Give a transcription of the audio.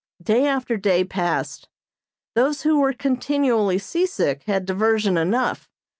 Day after day passed. Those who were continually seasick had diversion enough.